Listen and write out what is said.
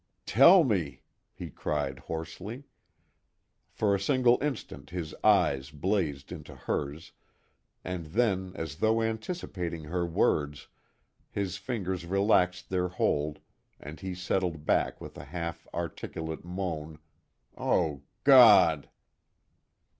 "Tell me!" he cried hoarsely. For a single instant his eyes blazed into hers, and then, as though anticipating her words, his fingers relaxed their hold and he settled back with a half articulate moan "_Oh, God!